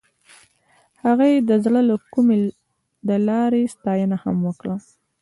هغې د زړه له کومې د لاره ستاینه هم وکړه.